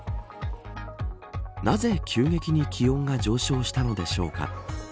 なぜ急激に気温が上昇したのでしょうか。